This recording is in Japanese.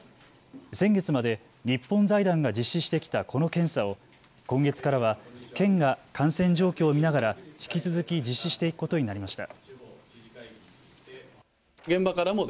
先月まで日本財団が実施してきたこの検査を今月からは県が感染状況を見ながら引き続き実施していくことになりました。